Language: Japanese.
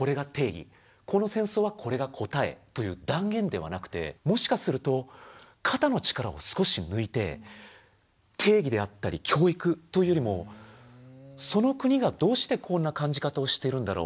この戦争はこれが答えという断言ではなくてもしかすると肩の力を少し抜いて定義であったり教育というよりもその国がどうしてこんな感じ方をしてるんだろう？